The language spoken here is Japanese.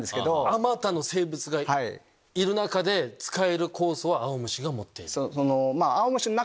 あまたの生物がいる中で使える酵素はアオムシが持っている。